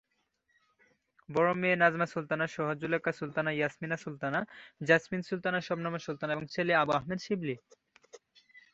বড়ো মেয়ে নাজমা সুলতানা সহ জুলেখা সুলতানা, ইয়াসমিন সুলতানা, জেসমিন সুলতানা, শবনম সুলতানা এবং ছেলে আবু আহমেদ শিবলী।